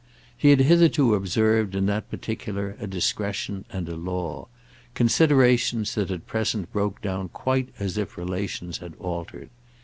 He had hitherto observed in that particular a discretion and a law; considerations that at present broke down quite as if relations had altered.